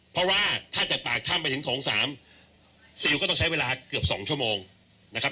เพราะว่าถ้าจากปากถ้ำไปถึงโถง๓ซิลก็ต้องใช้เวลาเกือบ๒ชั่วโมงนะครับ